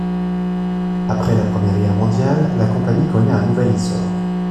Après la Première Guerre mondiale, la compagnie connaît un nouvel essor.